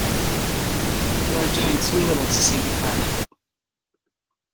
We are doing too little to save the planet.